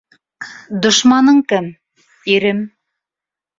Дошманың кем? Ирем.